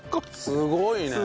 すごいね！